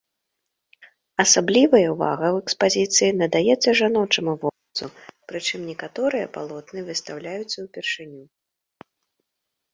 Асаблівая ўвага ў экспазіцыі надаецца жаночаму вобразу, прычым некаторыя палотны выстаўляюцца ўпершыню.